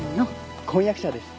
婚約者です。